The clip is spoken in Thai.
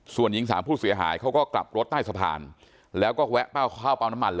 ส่วนหญิงสามผู้เสียหายเขาก็กลับรถใต้สะพานแล้วก็แวะเข้าเป้าน้ำมัน